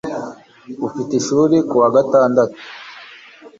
Ufite ishuri kuwa gatandatu